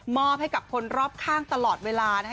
อบให้กับคนรอบข้างตลอดเวลานะคะ